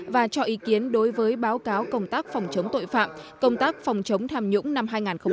và cho ý kiến đối với báo cáo công tác phòng chống tội phạm công tác phòng chống tham nhũng năm hai nghìn hai mươi ba